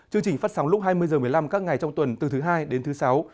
chương trình phát sóng lúc hai mươi h một mươi năm các ngày trong tuần từ thứ hai đến thứ sáu